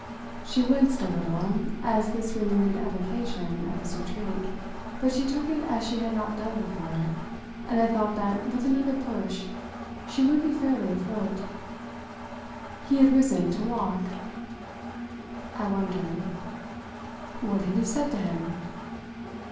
She winced a little at this renewed evocation of his retreat, but she took it as she had not done before, and I felt that with another push she would be fairly afloat. "He had reason to walk!" I wondered. "What had you said to him?"